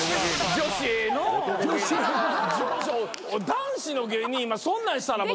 男子の芸人今そんなんしたら大問題やぞ。